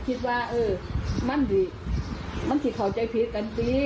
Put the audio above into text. คิดว่าอ่ามันที่เขาใจผิดกันสิ